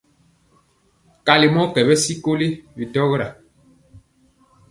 Kali mɔ kyɛwɛ sikoli bidɔra.